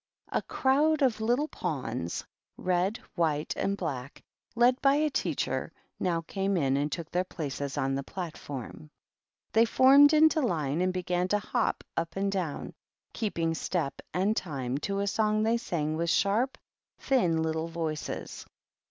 A crowd of little pawns, — red, white, and black, — led by a teacher, now came in and took their places on thei platform. They formed into line, and began to hop up and down, keeping step and time to a song they sang with sharp, thin, little voices.